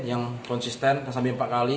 yang konsisten sampai empat kali